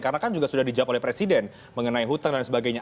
karena kan juga sudah dijawab oleh presiden mengenai hutang dan sebagainya